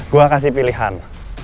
gua kasih pilihan